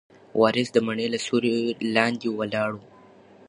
وارث د مڼې له سیوري لاندې ولاړ و.